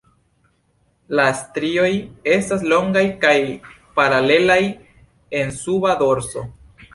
La strioj estas longaj kaj paralelaj en suba dorso.